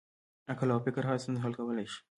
عقل او فکر هره ستونزه حل کولی شي.